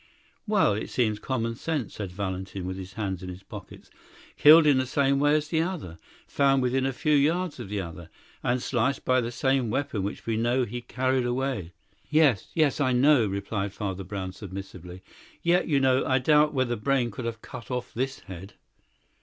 "Well, it seems common sense," said Valentin, with his hands in his pockets. "Killed in the same way as the other. Found within a few yards of the other. And sliced by the same weapon which we know he carried away." "Yes, yes; I know," replied Father Brown submissively. "Yet, you know, I doubt whether Brayne could have cut off this head."